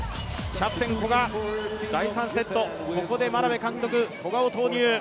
キャプテン・古賀、第３セット、ここで眞鍋監督、古賀を投入。